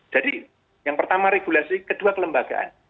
jadi yang pertama regulasi kedua kelembagaan